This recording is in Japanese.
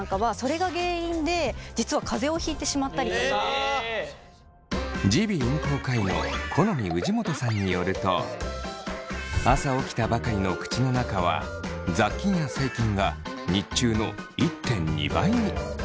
でそうするとあのちょっと耳鼻咽喉科医の許斐氏元さんによると朝起きたばかりの口の中は雑菌や細菌が日中の１．２倍に。